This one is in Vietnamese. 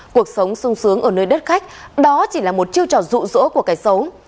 cuộc sống sung sướng ở nơi đất khách đó chỉ là một chiêu trò rụ rỗ của kẻ xấu